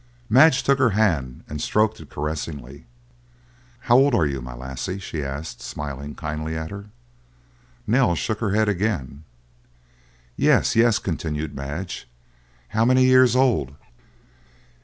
Madge took her hand, and stroked it caressingly. "How old are you, my lassie?" she asked, smiling kindly at her. Nell shook her head again. "Yes, yes," continued Madge, "how many years old?"